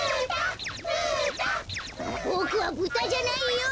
ボクはブタじゃないよ！